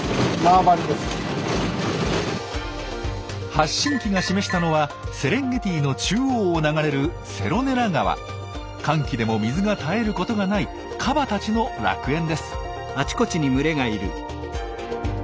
発信機が示したのはセレンゲティの中央を流れる乾季でも水が絶えることがないカバたちの楽園です。